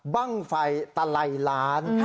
บั่งไฟตะไรร้าน